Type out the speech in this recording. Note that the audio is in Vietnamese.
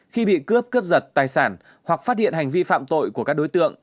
khi bị cướp cướp giật tài sản hoặc phát hiện hành vi phạm tội của các đối tượng